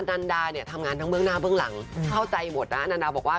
นันดาเนี่ยทำงานทั้งเบื้องหน้าเบื้องหลังเข้าใจหมดนะนันดาบอกว่า